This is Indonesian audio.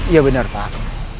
ya benar pak